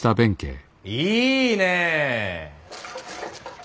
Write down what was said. いいねえ。